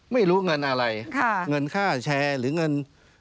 ไม่รู้เงินอะไรเงินค่าแชร์หรือเงิน